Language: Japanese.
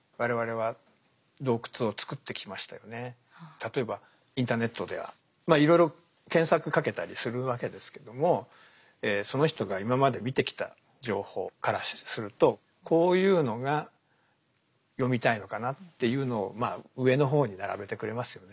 例えばインターネットではいろいろ検索かけたりするわけですけどもその人が今まで見てきた情報からするとこういうのが読みたいのかなっていうのをまあ上の方に並べてくれますよね。